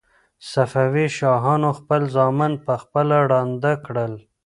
صفوي شاهانو خپل زامن په خپله ړانده کړل.